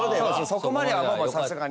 そこまではさすがに。